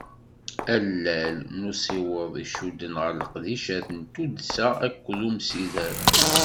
Allal n usiweḍ i icudden gar leqdicat n tuddsa akked umsider.